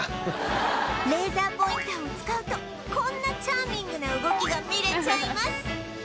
レーザーポインターを使うとこんなチャーミングな動きが見れちゃいます